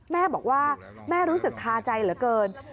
แม่บอกว่าแม่รู้สึกคาใจเหลือเกิน